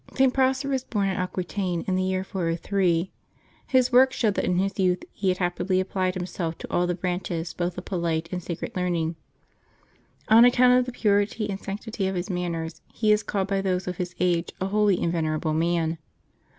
[t. Prosper was born at Aquitaine, in the year 403. His works show that in his youth he had happily applied himself to all the branches both of polite and sacred learning. On account of the purity and sanctity of his manners, he is called by those of his age a holy and vener able man.